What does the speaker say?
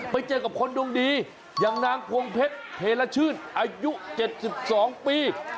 ไปเจอกับคนดวงดีอย่างนางพวงเพชรเทลชื่นอายุ๗๒ปี